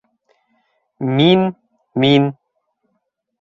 Мин, мин...